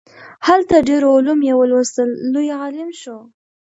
هلته ډیر علوم یې ولوستل لوی عالم شو.